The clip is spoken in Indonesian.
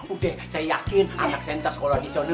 udah saya yakin anak saya enggak sekolah di sono